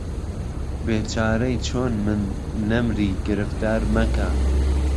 بێچارهی چۆن من، نهمری، گرفتار مهکه